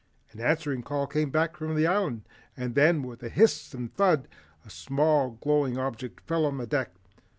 An answering call came from the Island, and then, with a hiss and thud, a small glowing object fell on the deck.